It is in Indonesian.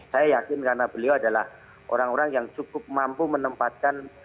saya yakin karena beliau adalah orang orang yang cukup mampu menempatkan